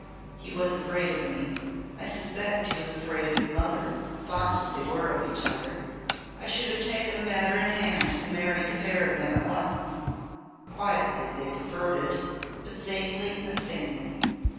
He was afraid of me. I suspect he was afraid of his mother fond as they were of each other. I should have taken the matter in hand and married the pair of them at once quietly if they preferred it, but safely and sanely.